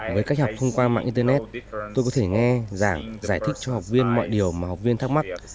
với cách học thông qua mạng internet tôi có thể nghe giảng giải thích cho học viên mọi điều mà học viên thắc mắc